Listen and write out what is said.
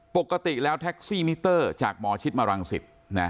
ปกติแล้วแท็กซี่มิเตอร์จากหมอชิดมรังสิต